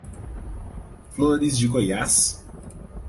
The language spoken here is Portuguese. Flores de Goiás